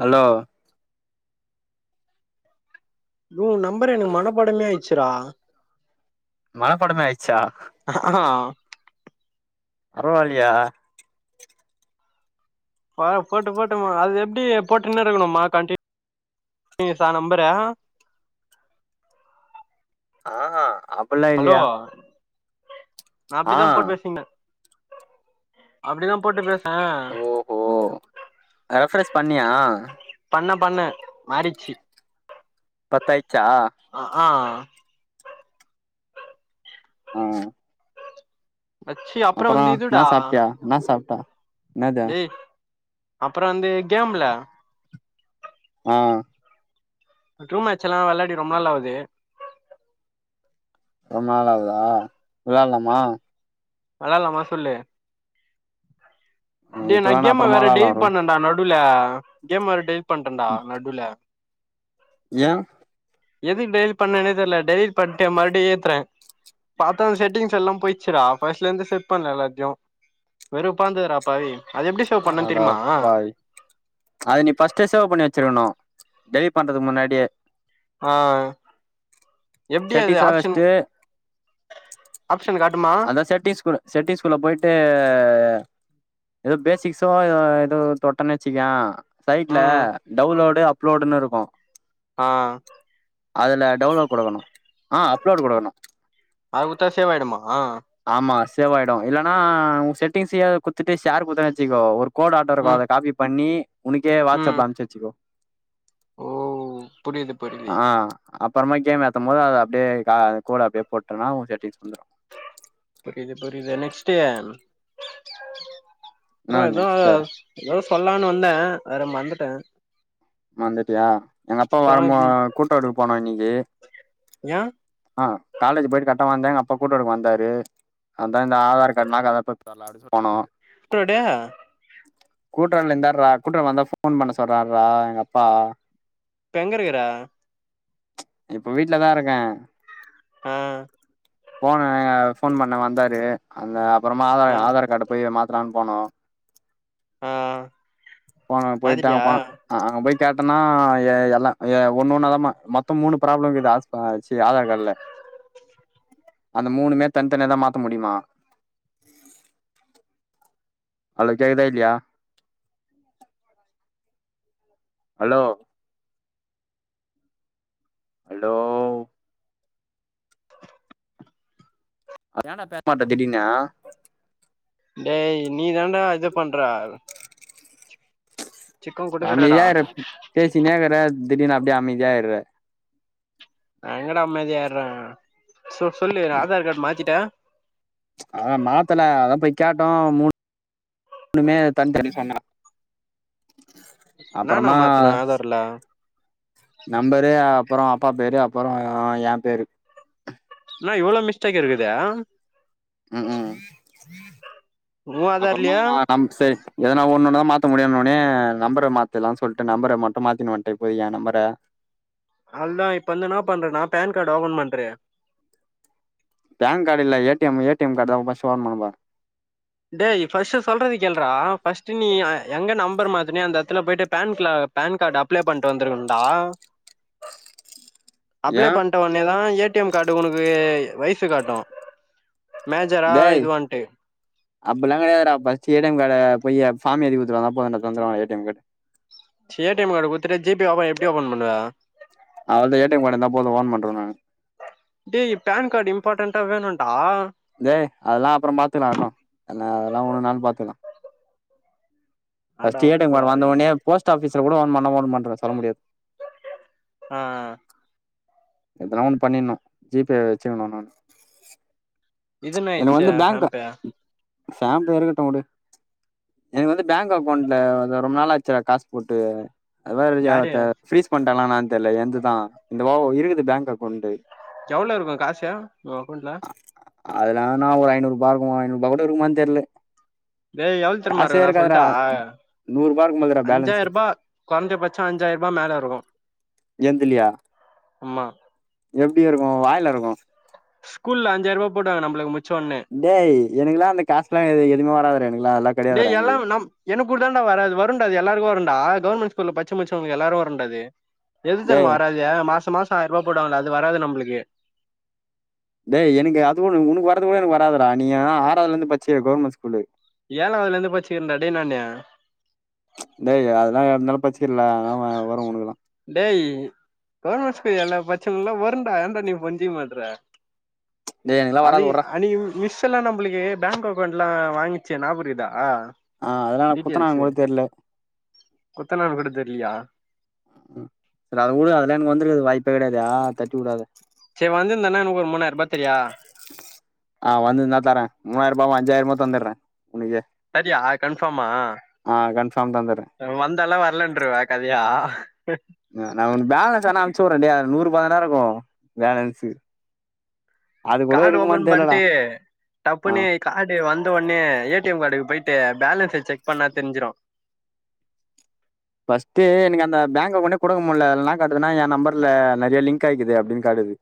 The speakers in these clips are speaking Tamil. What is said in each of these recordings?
ஹலோ ஓ நம்பர் எனக்கு மனப்பாடமே ஆய்ருச்சுடா மனப்பாடமே ஆய்ருச்சா அ ஆ பரவால்லியே வா போட்டு போட்டுமா அது எப்டி போட்டுன்னே இருக்கணுமா கண்டின் னியூசா நம்பரே ஆஹா அப் ஹலோ நா ஆ அப்டிதா போட்டு பேசீக்ன அப்டிதா போட்டு பேஸ் ஓ அத ரெஃப்ரஸ் பண்ணியா பண்ணெ பண்ணெ மாறிட்ச்சு பத்தாய்ச்சா அ ஆ ம் வச்சு அப்றோ அப்பறோ வந்து என்னா இதுடா சாப்டியா என்னா சாப்ட்ட என்னது டேய் அப்பறொ வந்து கேம்ல ஆ ட்ரூம் மேட்ச்செல்லா வெளாடி ரொம்ப நாளாவுது ரொம்ப நாள் ஆவுதா வெளாட்லாமா வெளாட்லாமா சொல்லு டே இப்ப நா வேணா கேம்ம அப்புறமா வேற விளாட்லா டெலிட் ப்ரோ பண்ணன்டா நடு டுல கேம் வேற டெலிட் பண்ட்டன்டா நடுல ஏ எதுக் டெலிட் பண்ணனே தெரில டெலிட் பண்ட்டு மறுடியு ஏத்றே பாத்தா செட்டிங்ஸ் எல்லா போய்ச்சுடா ஃபஸ்ட்லெந்து செட் பண்ல எல்லாத்தையு வெறுப்பாந்துதுடா பாவி அது எப்டி சேவ் பண்ணன் தெரியுமா அடப்பாவி அது நீ ஃபஸ்ட்டே சேவ் பண்ணி வச்சிருக்கணு டெலிட் பண்றதுக்கு முன்னாடியே ஆ எப்டி அது செட்டிங்ஸ்லா ஆப்ஷன் வச்சுட்டு ஆப்ஷனு காட்டுமா அதா செட்டிஸ்குள்ள செட்டிஸ்குள்ள பொய்ட்டு எதோ பேசிக்ஸோ எதோ எதோ தொட்டன் வச்சுக்யே சைட்லே ம் டவுன்லோடு அப்லோடுனு இருக்கூ ஆ அதுல டவுன்லோ குடுக்கணு ஆ அப்லோடு குடுக்கணு அது குத்தா சேவாயிடுமா ஆமா சேவ் ஆய்டு இல்லனா ஓ செட்டிங்ஸயே குடுத்துட்டு ஷேர் குடுத்தனு வச்சிக்கோ ஒரு கோடாட்டோருக்கு ம் அத காப்பி பண்ணீ உனக்கே ம் வாட்ஸ்அப்ல அம்ச்சி வச்சிக்கோ ஓ புரியுது புரியுது ஆ அப்பறமா கேம் ஏத்தும் போது அத அப்டியே க கோட அப்டியே போட்டனா ஓ செட்டிங்ஸ் வந்துரு புரிது புரிது நெக்ஸ்ட்டூ ப்ரோ என்ன எதோ நெக்ஸ்ட் எதோ சொல்லானு வந்த வேற மறந்துட்ட மறந்துட்டியா எங்க அப்பா வரம்போ கூட்டெடுக்க போனோ இன்னைக்கி ஏ ஆ காலேஜி போய்ட்டு கரெக்ட்டா வந்த எங்கப்பா போட்டோ எடுக்க வந்தாரு அதா இந்த ஆதார் கார்டு என்னா கத [unintelligible] போனோ அத சொல்லனு குடா கூட்டுறல இருந்தார்ரா கூட்றவு வந்தா ஃபோன் பண்ண சொல்றாருரா எங்க அப்பா இப்ப எங்கருக்குற இப்ப வீட்லதா இருக்க அ போன அ ஃபோன் பண்ண வந்தாரு அந்த அப்புறமா ஆ ஆதார் ஆதார் கார்டு போய் மாத்தலான்னு போனோ ஆ போன போய்ட்டாங்க மாத்திட்டியா போனோ ஆ அங்க போய் கேட்டனா எ எல்லா ஒன்ன ஒண்ணாதா மா மொத்தஃ மூணு பராப்ளம் இக்குது ஆ சி ஆதார் கார்டுல அந்த மூணுமே தனித்தனிய தா மாத்த முடிமா ஹலோ கேக்குதா இல்லயா ஹலோ ஹலோ ஏன்டா பேச மாட்ட திடீனு டேய் நீ தாண்டா இது பண்ற சிக்கோ குடுக்குறடா அமைதியா இரு பேசினேயிருக்குற திடீர்னு அப்டியே அமைதியாயிற நான் எங்கடா அமைதியாயிற சொ சொல்லு ஆதார் கார்டு மாத்திட்ட ஆ மாத்தல அதா போய் கேட்டோ மூணு மூணுமே தனி தனி சொன்ன நானா அப்பறமா மாத்துனே ஆதார்ல நம்பரு அப்பறோ அப்பா பேரு அப்பறோ எ பேரு என்ன இவ்ளோ மிஸ்டேக் இருக்கது ம் ம் உ அப்பறமா ஆதார்லயா நம் செ எதனா ஒன்னு தா மாத்த முடியுனோனே நம்பர மாத்திர்லான் சொல்ட்டு நம்பர மட்டு மாத்தினு வன்ட்டே போய் எ நம்பர அவ்ளதா இப்ப என்னனா பண்றனா பேன் கார்டு ஓபப்ன் பண்று பேன் காடு இல்ல A T M A T M card தா ஃபஸ்ட்டு ஒபன் பன்னுபா டே ஃபஸ்ட்டு சொல்றது கேல்றா ஃபர்ஸ்ட்டு நீ எங்க நம்பர் மாத்தினியோ அந்த எடத்துல போய்ட்டு பேன்க்ள பேன் காடு அப்ளை பண்ட்டு வந்ருக்கனுடா ஏ அப்ளை பண்ட ஒட்னே தா ஏ டி எம் காடு உனக்கு வயசு காட்டு மேஜரா டேய் இது வாண்ட்டு அப்பில்லா கெடையாதுடா ஃபஸ்ட்டு ஏ டி எம் கார்ட போய்யி ஃபார்ம் எழிதி குடுத்துட்டு வந்தா போதுடா தந்துருவாங்க A T M card A T M card குடுத்துட ஜி பே அப்போ எப்டி ஓபன் பண்ணுவ அவள்ட ஏ டி எம் காடு இருந்த போது ஒபன் பண்றுவ நானு டேய் பன் கார்ட் இம்பார்டண்டா வேணுன்டா டேய் அதெல்லா அப்புறம் பாத்துக்கலா ஆட்டு அதெல்லா ஒரு நாள் பாத்துக்லா first A T M card வந்த அடப்பாவி ஒடனே போஸ்ட் ஆபீஸ்ல கூட ஒன் பண்ண உடமாட்ர சொல்ல முடியாது ஆ எதன்னா ஒண்ணு பண்ணிட்ணு ஜி பே வெச்சிக்கணு நான் இதுன்னு எனக்கு ஆயிடுச்சு வந்து பேங்கா ஹாம்பே சம்பு இருக்கட்டு உடு எனக்கு வந்து பேங்க் அக்கௌண்ட்ல வந்து ரொம்ப நாளா ஆச்சுட காசு போட்டு அது யாரு வேறத்தை ஃப்ரீஸ் பண்டாங்லான்னான் தெரியல எந்து தான் இந்த வாவோ இருக்குது பேங்க் அக்கௌண்ட் எவ்ளோ இருக்கொ காசு உ அக்கௌண்ட்ல அதுலான ஒரு ஐநூறு ருபா இருக்குமோ ஐநூறு ருபா கூட இருக்குமா தெரில டேய் எவ்ல்தெர்மா இருக்கு நா சொல்ட்டா நூறுபா இருக்கும் அதுல அஞ்சாயிர ரூபா கொறஞ்ச பச்சோ அஞ்சாயிர ரூபா மேலே இருக்கும் எந்திலியா ஆமா எப்டி இருக்கு வாயில இருக்கும் ஸ்கூல்ல அஞ்சாயிர ரூவா போடாங்க நம்மளுக்கு முச்சொன்னே டேய் எனக்குல அந்த காசுலா எதுமே வராது எனக்குலா அதெல்லா டேய் எல்லாம் நம் எனக்கு கூடுத்த தான்டா வராது வருண்டா எல்லாருக்கும் வரும்டா கவர்மெண்ட் ஸ்கூல பட்ச்சு முட்ச்சவங்களுக்கு எல்லாரு வரும்ண்டா அது எது தெரிம டேய் வராது மாச மாசோ ஆயிர ரூவா போடங்கல அது வராது நம்ளுக்கு டேய் எனக்கு அதுனு உனக்கு வறது கூட எனக்கு வராதுட நீ ஏன் ஆறாதுல இருந்து படிச்சு கவர்மெண்ட் ஸ்கூலு ஏழவதுல இருந்து படிச்சக்கிறேன்ட டேய் நானு டேய் அதல்லாம் இருந்தாலும் பச்சிலா ஆன வரு ஒனுக்கலா டேய் கவர்மெண்ட் ஸ்கூல் எல்லாம் பச்சவங்களல்லாம் வரும்ண்டா ஏடா நீ புஞ்சிக்க மாட்ற டேய் எனக்குலாம் அதி வராது அன்னிக்கி மிஸ் மிஸ்லாம் நம்மளுக்கு பேங்க் அக்கௌண்ட்லாம் வாங்கிச்சே நாபகம் இருக்கா ஆ அதலா நா குத்தனாங் கூட தெர்ல குத்தனாங் கூட தெர்லியா ம் அத உடு அதுலா எனக்கு வந்துருக்க வாய்ப்பே கிடையாது தட்டி உடா அத சேரி வந்திருந்தனா எனக்கு மூனாய்ரூபா தரியா அ வந்திருந்தா தர மூவாயிரரூபாவு அஞ்சாயிரூமோ தந்திடுறே உனக்கு தரியா கன்ஃபாம்மா ஆ கன்ஃபார்ம் தந்துர்றே வந்தாள வரலன்ருவ கதையா நா உ பேலன்ஸ் வேன அனுச்சு விடுற டேய் அதுல நூரூபா தான்டா இருக்கு பேலன்ஸூ கார்டு ஓப்பன் பண்டு ஆ டப்புனு கார்டு வந்தோடனே ஏ டி எம் கார்டுக்கு போயிட்டு பேலன்ஸை செக் பண்ணா தெரிஞ்சிரு ஃபஸ்ட்டு எனக்கு அந்த பேங்க் அக்கௌண்டே குடுக்க முடில என்ன காட்டுதுனா என் நம்பர்ல நிறைய லிங்க் ஆகிது அப்டின்னு காட்டுது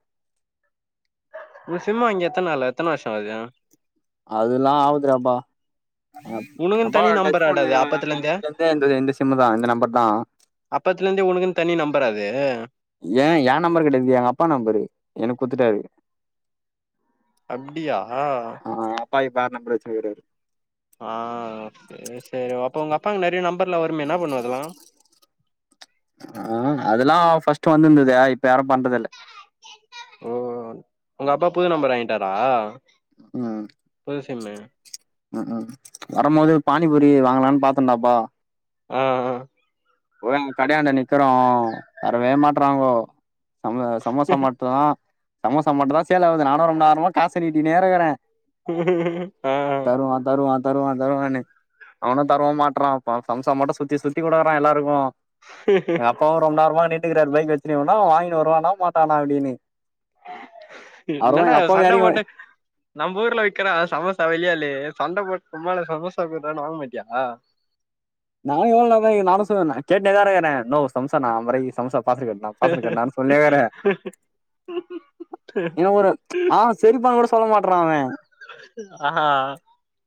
ம் சிம் வாங்கி எத்தனால எத்தன வருஷோ ஆவுது அதுல்லா ஆவுதுடாப்பா அப் உனக்குன் அப்போ தனி டச் நம்பராடா போனு அது அப்பத்துலந்தே [unintelligible] இந்த சிம் தான் இந்த நம்பர் தா அப்பத்துலிருந்தே உனக்குன்னு தனி நம்பறா இது ஏ என் நம்பர் கெடையாது எங்க அப்பா நம்பரு எனக்கு குத்துட்டாரு அப்டியா ஆ அப்பா இப்ப வேற‌ நம்பர் வச்சிருக்காரு ஆ சேர் சேரி அப்போ உங்க அப்பாங்கு நிறைய நம்பர்ல வரும்மே என்ன பண்ணுவ அதலா ஆ அதலா ஃபஸ்ட் வந்திருந்தது இப்ப யாரு பண்றது இல்ல ஓ உங்க அப்பா புது நம்பர் வாங்கிட்டாரா ம் புது சிம்மு ம் வரும்போது ஒரு பானிபுரி வாங்கலான்னு பாத்தன்டப்பா ஆ போய்ங் கடையாண்ட நிக்கிறோ வரவே மாட்றாங்கோ சம சமோசா மட்டு தா சமோசா மட்டு தா சேல்‌ஆவுது நானு ரொம்ப நேரமா காச நீட்டிட்டே நிக்கற ஆ தருவான் தருவான் தருவான் தருவானு அவனு தருவு மாட்றான் சம்சா மட்டு சுத்தி சுத்தி குடக்கறா எல்லா ருக்கு ஹேஹே [unintelligible] ரொம்ப நேரமா நின்ட்டு இருக்காரு பை வச்சிட்டு இவஎன்னவ வாங்கினு வருவானா மாட்டானா அப்டின்னு அவரு என்னடா எங்க அப்பாவ சண்ட எறக்கி போட்டு நம்ம ஊர்ல விக்கற சமோசா வெளியாலே சண்ட போட்டு சும்மாலா சமோசா குறானு வாங்க மாட்டியா நானு எவ்ளோநேரந்த கேக் நானு சொன்ன கேட்னேதா இருக்குற நோ சம்சா நா அம்பருவாய்க்கு சம்சா பார்சல்கட்னா பார்சல்கட்னா சொல்னேக்குற இவ ஒரு ஆ சரிப்பான்னு கூட சொல்ல மாட்றா அவ ஆ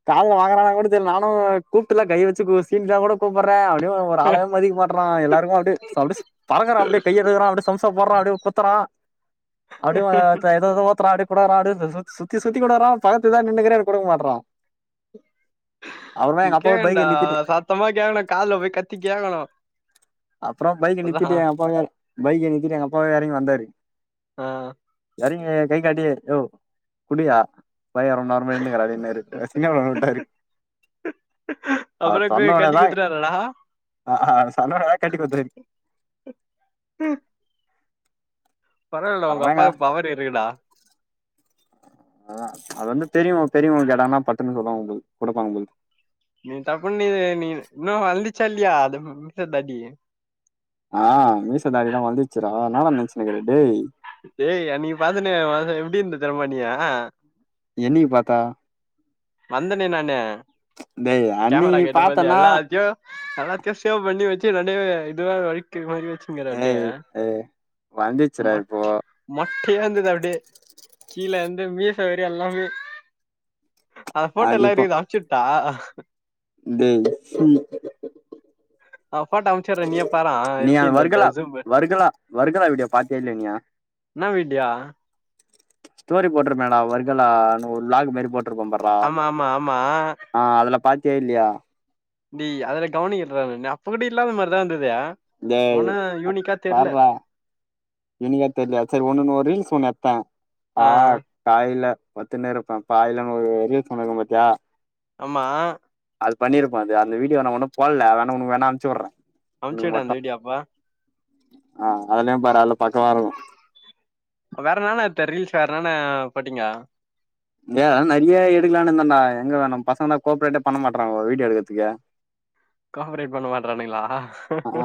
காதுல வாங்கறான கூட தெர்ல நானு கூப்ட்டுல கை வச்சு சீன்டனா கூட கூப்பற அப்டியு ஒரு ஆளாவே மதிக்கமாட் றான் எல்லாருக்கு அப்டியே சே பறக்குறா அப்டே கை எடுக்குறா அப்டே சம்சா போறா அப்டே கொத்தறா அப்டே ஆ ஏதோ ஏதோ ஓத்தரா அப்டே குடுக்குற அப்டே சு சுத்தி சுத்தி குடுக்குற பாத்துதா நின்னுக்குற எனக்குக் குடுக்கக்மாற்ற நீ எங்க அப்பாவை கேக்கன்னுடா பைக்கை நிறுத்திட்டு சத்தமா கேக்கணு காதுல போய் கத்தி கேக்கணு அப்றோ பைக் நித்திட்டு எங்க அப்பாவே பைக் நித்திட்டு எங்க அப்பாவே எறங்கி வந்தாரு ஆ. எரங்கி கை காட்டி யோ குடுயா பய ரொம் மா நேரம நின்னுக்ரா அப்டின்னாரு [unintelligible] விட்டாரு அப்றோ [unintelligible] கட்டி குத்துடாறாடா ஆ ஆ அவ சொன்னாலத கட்டி குத்தாரு ம் பரவலாடா அப்புறமேங்க உங்கப்பாக்கு பவர் இருக்குடா ஆ அது வந்து தெரியு தெரியு கேடான பட்டுன்னு சொல்லுவா உங்களுக்கு கொடுப்பாங்க உங்களுக் நீ டப்புன்னு நீ நீ இன்னு வளன்ந்திசால்லியா அந்த மீச தடி ஆ மீச தாடில்லா வளந்துச்சிடா என்னடா நினச்சினக்குற டேய் டேய் அன்னக்கி பாத்தானே எப்படி இருந்த தெரியுமா நீ எனக்கி பாத்தா வந்தனே நானு டேய் கேமரா அன்னைக்கு நீ கேட்டுபோது பாத்தன்னா எல்லாச்சு எல்லாத்தயும் சேவ் பண்ணி வச்சு ரெண்டயும் இதுவ வழிக்கி மாரி வச்சு [unintelligible] ஏய் ஏய் வளந்துச்சுடா இப்போ மொட் மொட்டய இருந்தா அப்டியே கீழே வந்து மீசவரி எல்லாமே அந்த போட்டோ அது எல்லா இப்போ இருக்து அம்சுட்டா டேய் [unintelligible] ஆ போட்டா அமிச்சடுற நீயே பாறா நீ அந்த எப்படிருந்தன்டு வர்கலா ஜுமு வர்கலா வர்கலா வீடியோ பாத்தியா இல்லையா நீ நம்பிடிய ஸ்டோரி போட்டுருந்தடா வர்காலா ஒரு வ்லாக் மாரி போட்ருப்பா பா ஆமா ஆமா ஆமா ஆ அதுல பாத்திய இல்லையா டேய் அதுல கவனிக்கிலடா நானு அப்ப கூட இல்லாத மாரிதா இருந்து டேய் உன யூனிக்கா தெர்ல இன்னிக்கிடுத்ததுத செரி ஒன்ன ஒரு ரீல்ஸ் ஒண்ணு எத்த ஆ ஆஹ் வாயில பத்துன்னு இருப்ப பாயலன்னு ஒரு ரிலீஸ் ஒண்ணுருக்கும் பாத்தியா ஆம்மா அது பண்ணிருப்போ அது அந்த வீடியோ வே ஒனும் போல வேண உனக்கு வேணா அனுச்சுட்ற அமுச்சுடு அந்த வீடியோ அப்ப அ அதலயும் பாரு அதுல பக்கவாருக்கோ வேற என்னன்னா எடுத் ரீல்ஸ் வேற என்னன்னா போட்டீங்கா நெற்ய எடுக்கலான்னு இருந்தேணா எங்க வேணும் பசங்க தா கோப்பரேட்டே பண்ண மாட்ராங்க வீடிய எடுக்கிறதுக்கு கோப்பரேட் பண்ண மாட்டறானுங்களா ஆ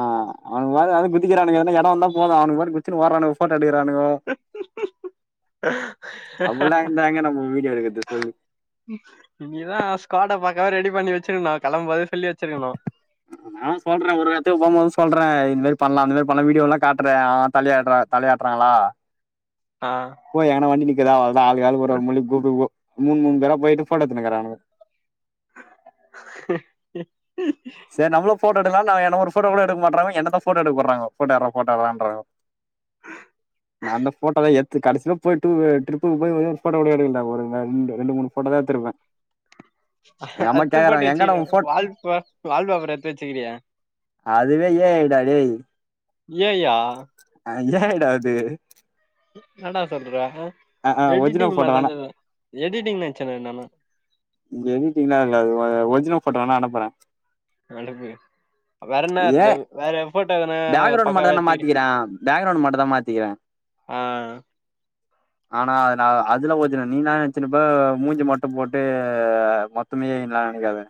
அவனுங்க வேற எவ்லா குதிக்கிறானுங்க எதனா எடம் இருந்தா போதும் அவனுங்க பாட்டுனு குச்சுனூ ஓரானுங்க போட்டோ எடுக்கிறானுங்க அப்ட்லாம் இருந்தா எங்க நம்ம வீடியோ எடுக்கறத்து சொல்லு நீ தா ஸ்கோட்ட பக்கவ ரெடி பண்ணி வச்சிருக்கணோ கெளம்ப போதே சொல்லி வச்சிருக்கணோ நா சொல்றே ஒரு ர்ரு எட்த்துக்கு போவ் போதும் சொல்றேன் இந்த மேரி பண்ணலா அந்த மாரி பண்ணலா வீடியோலா காட்டுறே அ தலிய ஆட்றா தலயாட்றாங்களா ஆ போய் யங்கனா வண்டி நிக்குதா அவ்ள்தா ஆளுக்கு ஆளுக்கு ஒரு ஒரு மூளிக் கூப்டு போ மூன் மூனு பேரா போயிட்டு போட்டா எடுத்துக்குனு கீரானுங்க [unintelligible] சேரி நம்மளூ போட்ட எடுக்கலா நா என்ன ஒரு போட்டோ கூட எடுக் மாட்றானுங்க என்ன தா ஃபோட்டோ எடுக்க போட்றாங்க ஃபோட்ட எட்றா ஃபோட்ட எட்றானுங்க நா அந்த போட்டோலா எத் த்து கடசில போயட்டு டூ ட்ரிப்புக்கு போய் ஒரே ஒரு போட்டோ கூட எடுக்கல்டா ஒரு மண்டு ரெண்டு ரெண்டு மூணு ஃபோட்ட தா எத்துருப்பே அத்து ஃபோட்டோ எங்கடா வச்சக்கிறியே உன் போட்டோ வால்ப் வால் போப்ரு எட்த்து வச்சுக்கிகீறியே அதுவே ஏ ஐடா டேய் ஏய்யா அது ஏ ஐடா அது ன்னடா சொல்ற ஒரிஜினல் எடிட்டிங் போட்டோ மாரிதா வேணா கீது எடிட்டிங் நெனைச்சோ நானூ உங் எடிட்டிங்கல்லா இல்ல ‌அது ஒரிஜினல் ஃபோட்டோ வேணா அனுப்றே அனுப்பு வேறனா ஏ எட்த்த வேற ஃபோட்டோ எதுனா பேக்ரவுண்ட் மட்டும் பக்கவா தான் நான் எத்துகிரியா மாத்திக்கிறேன் பேக்ரவுண்ட் மட்டும் தான் மாத்திக்கிறேன் ஆ ஆனா அத்னா அதுல்லா ஓர்ஜினல் நீ ன்னா நென்சிருப்ப ‌அ மூஞ்சி மொட்ட போட்டு மொத்தமே நாங்க தா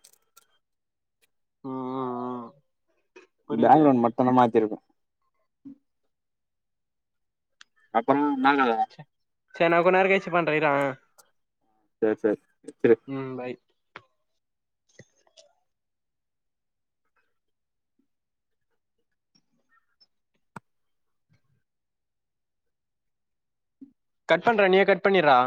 ம் ம் ம் புரியுது பேங்களூர் மட் இத்ன மாத்தி இருக்கோ அப்றோ ன்னா கத சேரி நா கொஞ்ச நேர கழிச்சி பண்றே இரே சேர் சேரி வெச்சிடு ம் பை கட் பண்றா நீயே கட் பண்ணிட்றா